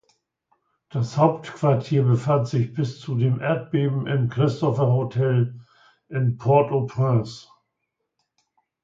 Das Hauptquartier befand sich bis zu dem Erdbeben im Christopher Hotel in Port-au-Prince.